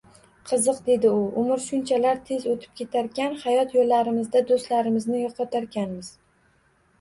Qiziq, – dedi u, – umr shunchalar tez oʻtib ketarkan, hayot yoʻllarimizda doʻstlarimizni yoʻqotarkanmiz.